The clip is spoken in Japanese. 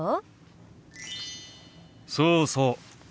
そうそう。